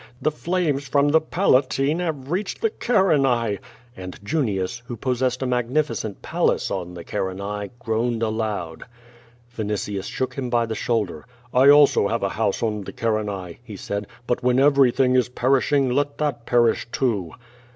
The flames from the Pala tine have reached the Carinae," and Junius, who possessed a magnificent palace on the Carinae, groaned aloud. Vinitius shook him by the shoulder. "I also have a house on the Carinae," he said, "but when everything is perishing, let that perish, too."